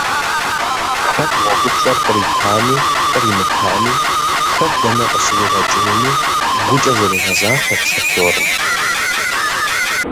Хэт гъуэгупщӏэр къритами къримытами, хэт дэнэ къыщригъэкӏынуми гукӏэ зэригъэзахуэрт шофёрым.